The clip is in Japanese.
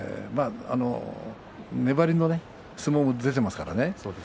粘りの相撲も出ていますからね。